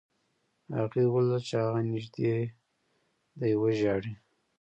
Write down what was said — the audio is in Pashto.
هغې ولیدل چې هغه نږدې دی وژاړي